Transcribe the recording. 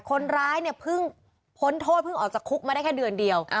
คนร้ายเนี่ยเพิ่งพ้นโทษเพิ่งออกจากคุกมาได้แค่เดือนเดียว